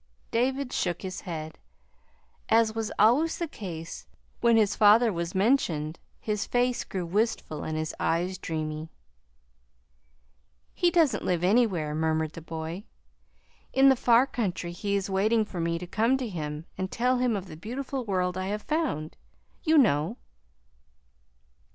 David shook his head. As was always the case when his father was mentioned, his face grew wistful and his eyes dreamy. "He doesn't live here anywhere," murmured the boy. "In the far country he is waiting for me to come to him and tell him of the beautiful world I have found, you know."